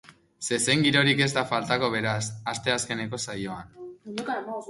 Zezen girorik ez da faltako beraz, asteazkeneko saioan.